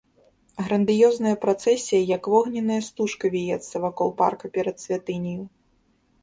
Грандыёзная працэсія як вогненная стужка віецца вакол парка перад святыняю.